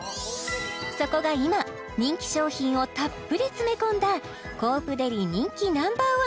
そこが今人気商品をたっぷり詰め込んだコープデリ人気Ｎｏ．１